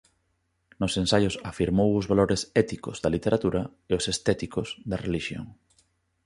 Nos ensaios afirmou os valores éticos da literatura e os estéticos da relixión.